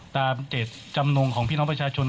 ตามเจตจำนงของพี่น้องประชาชน